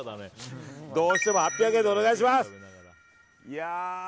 どうしても８００円でお願いします。